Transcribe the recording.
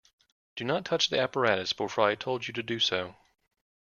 Do not touch the apparatus before I told you to do so.